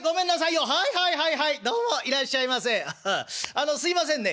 あのすいませんね